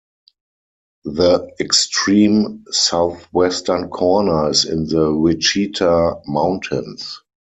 The extreme southwestern corner is in the Wichita Mountains.